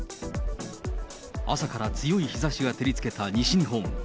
朝から強い日ざしが照りつけた西日本。